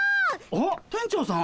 あっ店長さん。